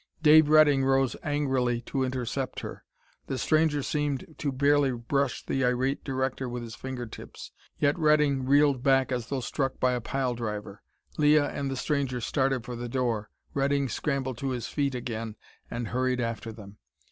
Dave Redding rose angrily to intercept her. The stranger seemed to barely brush the irate director with his finger tips, yet Redding reeled back as though struck by a pile driver. Leah and the stranger started for the door. Redding scrambled to his feet again and hurried after them.